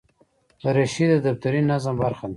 دریشي د دفتري نظم برخه ده.